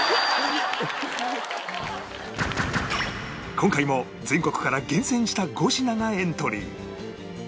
今回も全国から厳選した５品がエントリー